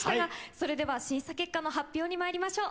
それでは審査結果の発表にまいりましょう。